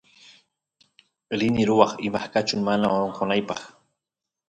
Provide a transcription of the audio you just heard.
rini ruwaq imaqkachun mana onqonaypaq